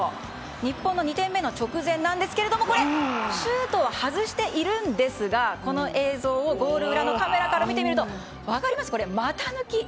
日本の２点目の直前なんですがシュートは外していますがこの映像をゴール裏のカメラから見てみると分かります？